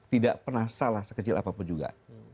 tidak pernah salah sekecil apapun juga